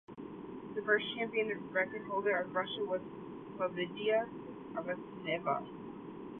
The first champion and record holder of Russia was Klavdiya Afanasyeva.